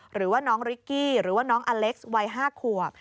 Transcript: หรือว่าน้องริกกี้หรือว่าน้องอเล็กซ์วัย๕ขวบ